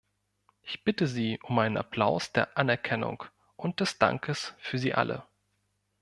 Ich bitte Sie um einen Applaus der Anerkennung und des Dankes für sie alle.